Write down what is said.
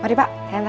mari pak saya antar